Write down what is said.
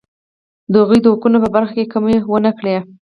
د هغوی د حقونو په برخه کې کمی ونه کړي.